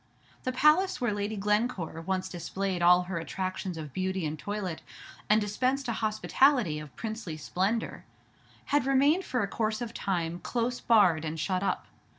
The palace where Lady Glencore once displayed all her attractions of beauty and toilette, and dispensed a hospitality of princely splendor, had remained for a course of time close barred and shut up.